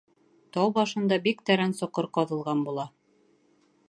Тау башында бик тәрән соҡор ҡаҙылған була.